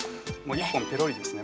１本ペロリですね